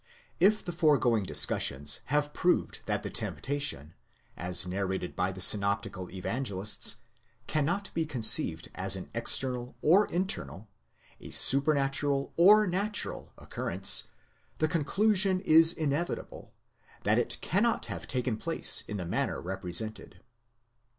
If the foregoing discussions have proved that the temptation, as narrated by the synoptical Evangelists, cannot be conceived as an external or internal, a supernatural or natural occurrence, the conclusion is inevitable, that it cannot have taken place in the manner represented.